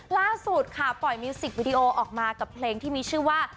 ล่าสุดค่ะปล่อยมิวสิกวิดีโอออกมากับเพลงที่มีชื่อว่า